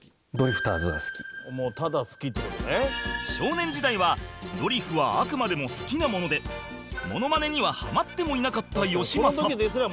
少年時代はドリフはあくまでも好きなものでモノマネにはハマってもいなかったよしまさ